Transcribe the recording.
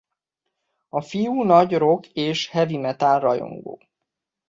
A fiú nagy rock- és heavy metal-rajongó.